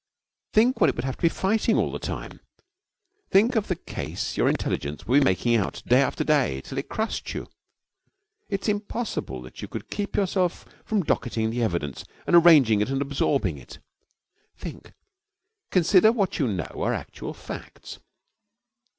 Think what it would have to be fighting all the time. Think of the case your intelligence would be making out, day after day, till it crushed you. It's impossible that you could keep yourself from docketing the evidence and arranging it and absorbing it. Think! Consider what you know are actual facts!